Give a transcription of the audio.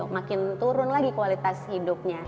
makin turun lagi kualitas hidupnya